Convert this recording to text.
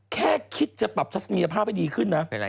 แค่คิดจะปรับทัศนียภาพให้ดีขึ้นนะ